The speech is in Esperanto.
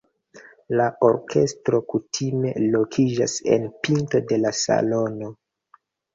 La orkestro kutime lokiĝas en pinto de la salono.